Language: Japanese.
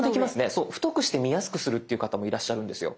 そう太くして見やすくするっていう方もいらっしゃるんですよ。